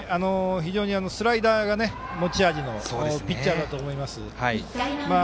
非常にスライダーが持ち味のピッチャーだと思います。